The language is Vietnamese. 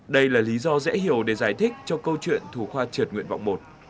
đây là lý do dễ hiểu để giải thích cho câu chuyện thủ khoa trượt nguyện vọng một